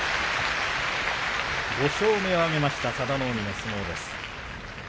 ５勝目を挙げました佐田の海の相撲です。